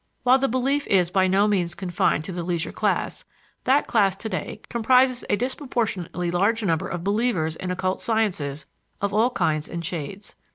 While the belief is by no means confined to the leisure class, that class today comprises a disproportionately large number of believers in occult sciences of all kinds and shades.